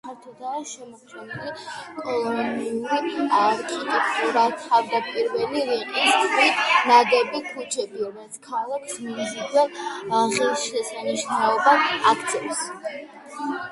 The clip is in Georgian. ფართოდაა შემორჩენილი კოლონიური არქიტექტურა, თავდაპირველი რიყის ქვით ნაგები ქუჩები, რაც ქალაქს მიმზიდველ ღირსშესანიშნაობად აქცევს.